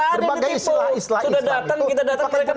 berbagai islah islah itu